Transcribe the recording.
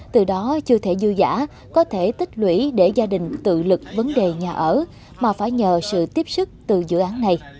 từ đó chưa thể dư giả có thể tích lũy để gia đình tự lực vấn đề nhà ở mà phải nhờ sự tiếp sức từ dự án này